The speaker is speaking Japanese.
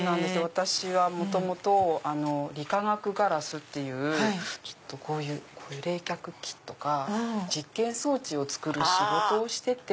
私は元々理化学ガラスっていうこういう冷却器とか実験装置を作る仕事をしてて。